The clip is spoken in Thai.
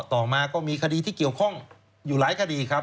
ต่อมาก็มีคดีที่เกี่ยวข้องอยู่หลายคดีครับ